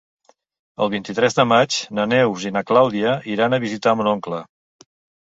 El vint-i-tres de maig na Neus i na Clàudia iran a visitar mon oncle.